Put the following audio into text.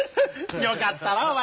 よかったなお前。